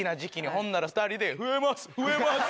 ほんなら２人で「売れます！